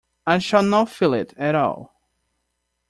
I shall not feel it at all.